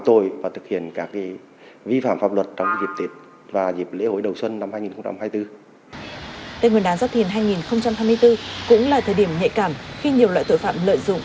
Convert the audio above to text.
tết nguyên đán giáp thìn hai nghìn hai mươi bốn cũng là thời điểm nhạy cảm khi nhiều loại tội phạm lợi dụng